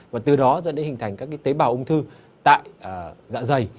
và từ đó dẫn đến hình thành các tế bào ung thư tại dạ dày